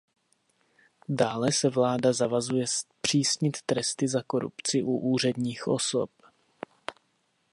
Dále se vláda zavazuje zpřísnit tresty za korupci u úředních osob.